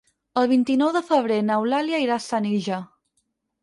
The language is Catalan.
El vint-i-nou de febrer n'Eulàlia irà a Senija.